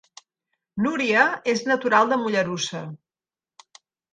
Núria és natural de Mollerussa